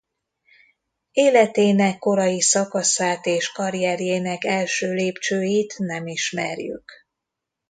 Életének korai szakaszát és karrierjének első lépcsőit nem ismerjük.